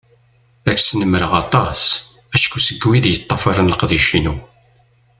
Ad ak-snemreɣ aṭas, acku seg wid yeṭṭafaren leqdic-inu.